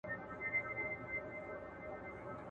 يو په بل يې ښخول تېره غاښونه.